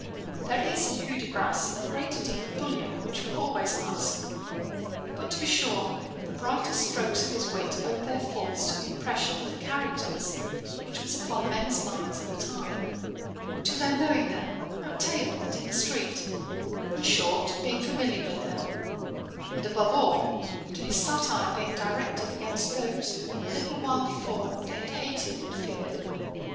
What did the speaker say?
There is in Hudibras a great deal of bullion which will always last. But to be sure the brightest strokes of his wit owed their force to the impression of the characters, which was upon men's minds at the time; to their knowing them, at table and in the street; in short, being familiar with them; and above all, to his satire being directed against those whom a little while before they had hated and feared.